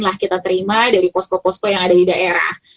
lah kita terima dari posko posko yang ada di daerah